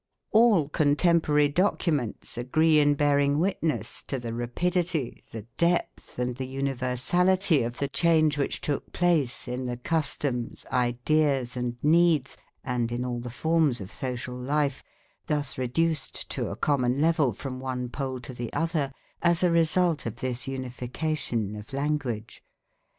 All contemporary documents agree in bearing witness to the rapidity, the depth, and the universality of the change which took place in the customs, ideas, and needs, and in all the forms of social life, thus reduced to a common level from one pole to the other, as a result of this unification of language.